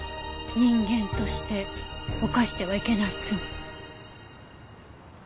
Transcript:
人間として犯してはいけない罪。